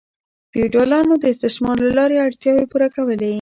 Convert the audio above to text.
فیوډالانو د استثمار له لارې اړتیاوې پوره کولې.